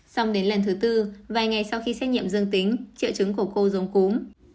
xong đến lần thứ tư vài ngày sau khi xét nghiệm dương tính triệu chứng của cô giống cúm